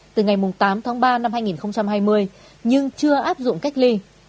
từ ngày tám tháng ba năm hai nghìn hai mươi nhưng chưa áp dụng cách ly